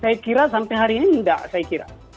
saya kira sampai hari ini enggak saya kira